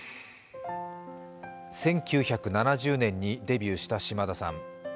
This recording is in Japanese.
１９７０年にデビューした島田さん。